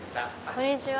こんにちは。